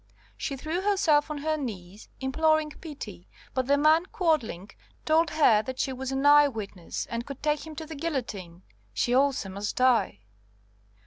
She threw herself on her knees, imploring pity, but the man Quadling told her that she was an eye witness, and could take him to the guillotine, she also must die.